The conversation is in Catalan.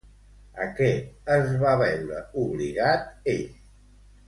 A què es va veure obligat ell?